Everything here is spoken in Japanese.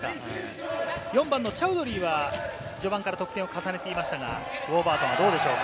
４番のチャウドリーは序盤から得点を重ねていましたが、ウォーバートンはどうでしょうか？